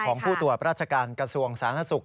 ของผู้ตรวจราชการกระทรวงสาณสุข